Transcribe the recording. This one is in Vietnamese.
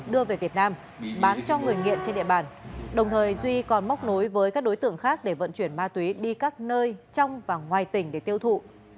đưa về việt nam bán cho người nghiện trên địa bàn đồng thời duy còn móc nối với các đối tượng khác để vận chuyển ma túy đi các nơi trong và ngoài tỉnh để tiêu thụ